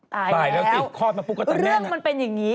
ตายแล้วสิคลอดมาปุ๊บกระตานแม่นางเรื่องมันเป็นอย่างนี้